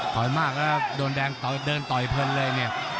ต่อยมากโดนแดงเดินต่อยเพลิดเลยเนี่ย